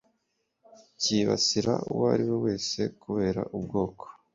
cyibasira uwo ari we wese kubera ubwoko